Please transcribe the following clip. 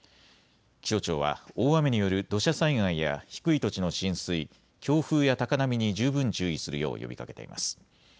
気象庁は大雨による土砂災害や低い土地の浸水、強風や高波に十分注意するよう呼びかけています。